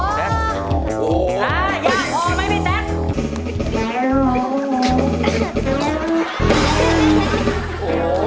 จะออกไปไม่แตก